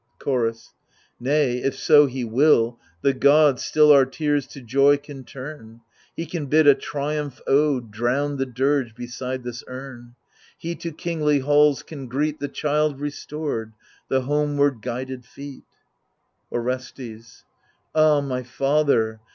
Chorus Nay, if so he will, the god Still our tears to joy can turn. He can bid a triumph ode Drown the dirge beside this urn ; He to kingly halls can greet The child restored, the homeward guided feet. Orestes Ah my father